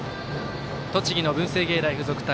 栃木の文星芸大付属対